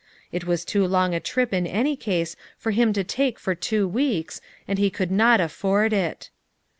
It was too long a trip in any case for him to take for two weeks and he could not afford it.